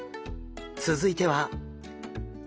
続いては。